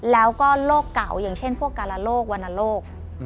แล้วก็โรคเก่าเช่นพวกกาลโรควนโลก